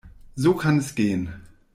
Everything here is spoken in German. So kann es gehen.